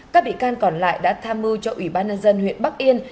các bị can còn lại đã tham mưu cho ubnd huyện bắc yên